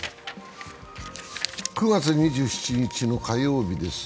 ９月２７日の火曜日です。